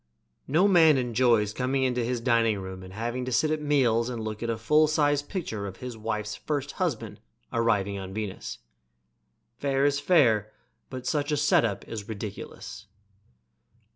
No man enjoys coming into his dining room and having to sit at meals and look at a full sized picture of his wife's first husband arriving on Venus. Fair's fair, but such a set up is ridiculous.